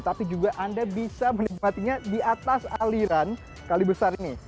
tapi juga anda bisa menikmatinya di atas aliran kali besar ini